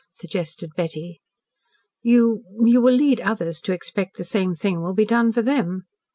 suggested Betty. "You you will lead others to expect the same thing will be done for them."